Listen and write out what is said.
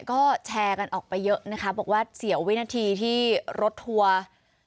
ก็แชร์กันออกไปเยอะนะคะบอกว่าเสียวินาทีที่รถทัวร์